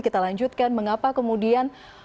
kita lanjutkan mengapa kemudian